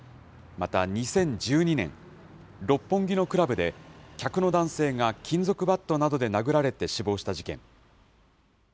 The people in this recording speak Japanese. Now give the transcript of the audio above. また、２０１２年、六本木のクラブで、客の男性が金属バットなどで殴られて死亡した事件。